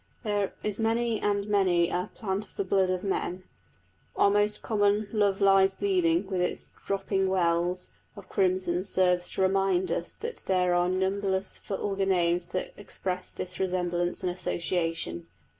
There is many and many a "plant of the blood of men." Our most common Love lies bleeding with its "dropping wells" of crimson serves to remind us that there are numberless vulgar names that express this resemblance and association.